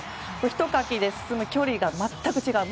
ひとかきで進む距離が全く違う。